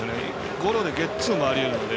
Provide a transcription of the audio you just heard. ゴロでゲッツーもありえるので。